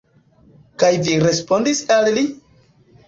Kaj vi respondis al li?